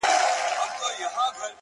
• په کښتیو په جالو کي سپرېدلې,